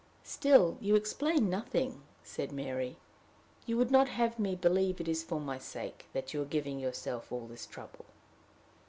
"Still you explain nothing," said Mary. "You would not have me believe it is for my sake you are giving yourself all this trouble?"